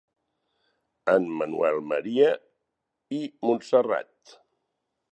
En Manuel Maria, i Montserrat.